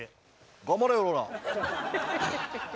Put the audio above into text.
頑張れよおら。